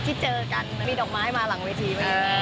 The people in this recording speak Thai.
ที่เจอกันมีดอกไม้มาหลังเวทีไหม